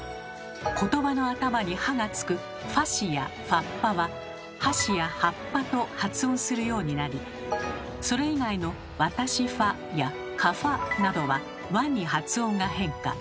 言葉の頭に「は」がつく「ふぁし」や「ふぁっぱ」は「はし」や「はっぱ」と発音するようになりそれ以外の「私ふぁ」や「かふぁ」などは「わ」に発音が変化。